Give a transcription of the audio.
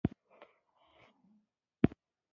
برېټانیا او سکاټلند سره یو ځای او متحد شول.